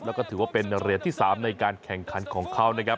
แล้วก็ถือว่าเป็นเหรียญที่๓ในการแข่งขันของเขานะครับ